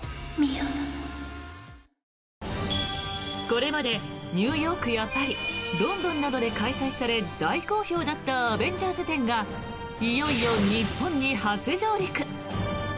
これまで、ニューヨークやパリロンドンなどで開催され大好評だったアベンジャーズ展がいよいよ日本に初上陸！